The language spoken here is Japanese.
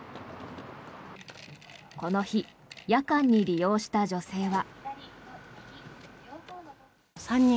この日、夜間に利用した女性は。